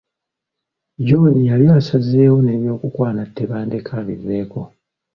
John yali asazeewo n’ebyokukwana Tebandeke abiveeko.